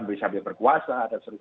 berisabil berkuasa dan sebagainya